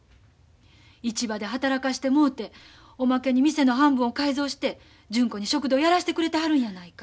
市場で働かしてもろておまけに店の半分を改造して純子に食堂やらしてくれてはるんやないか。